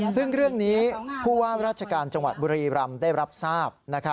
ซึ่งเรื่องนี้ผู้ว่าราชการจังหวัดบุรีรำได้รับทราบ